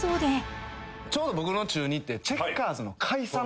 ちょうど僕の中２って。